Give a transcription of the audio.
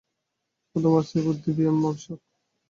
প্রথম অবস্থায় এই বুদ্ধির ব্যায়াম আবশ্যক।